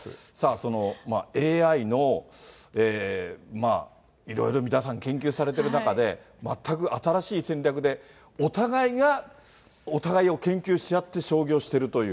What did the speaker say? ＡＩの、いろいろ皆さん研究されてる中で、全く新しい戦略で、お互いがお互いを研究し合って将棋をしてるという。